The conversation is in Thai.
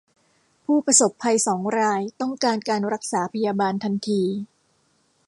ผู้ประสบภัยสองรายต้องการการรักษาพยาบาลทันที